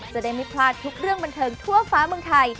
จะได้ไม่พลาดทุกเรื่องบันเทิงทั่วฟ้าเมืองไทย